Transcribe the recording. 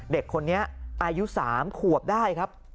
เด็กคนนี้อายุ๓ควบได้